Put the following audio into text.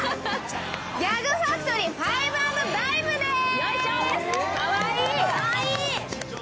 ギャグファクトリー／ファイブ・アンド・ダイムです。